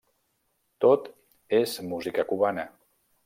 Tot és música cubana.